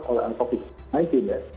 oleh covid sembilan belas ya